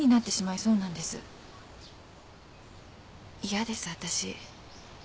嫌です私。